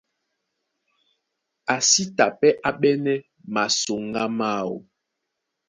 A sí ta pɛ́ á ɓɛ́nɛ́ masoŋgá máō.